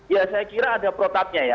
ya saya kira ada protapnya ya